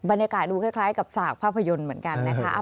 บรรยากาศดูคล้ายกับสากภาพยนตร์เหมือนกันนะคะ